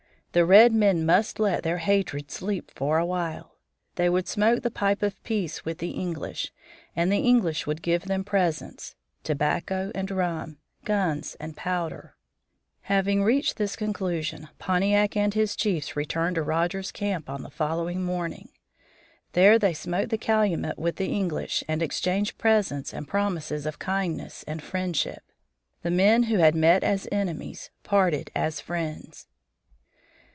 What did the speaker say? The red men must let their hatred sleep for awhile. They would smoke the pipe of peace with the English, and the English would give them presents: tobacco and rum, guns and powder. [Illustration: WAMPUM] Having reached this conclusion, Pontiac and his chiefs returned to Rogers's camp on the following morning. There they smoked the calumet with the English and exchanged presents and promises of kindness and friendship. The men who had met as enemies parted as friends.